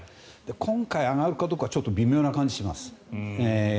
今回、上がるかどうかちょっと微妙な感じします。